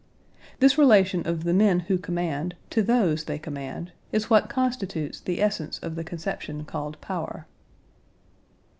This relation of the men who command to those they command is what constitutes the essence of the conception called power.